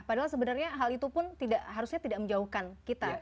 padahal sebenarnya hal itupun harusnya tidak menjauhkan kita